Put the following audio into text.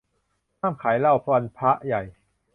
ห้ามขายเหล้าวันพระใหญ่